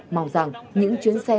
mong rằng những chuyến xe